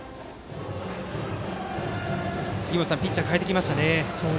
杉本さん、ピッチャーを代えてきましたね。